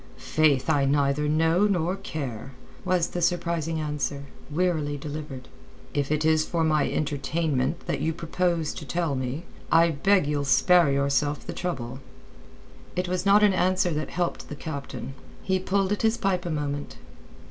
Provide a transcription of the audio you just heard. "Faith, I neither know nor care," was the surprising answer, wearily delivered. "If it is for my entertainment that you propose to tell me, I beg you'll spare yourself the trouble." It was not an answer that helped the captain. He pulled at his pipe a moment.